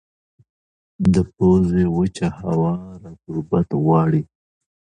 د پوزې وچه هوا رطوبت غواړي.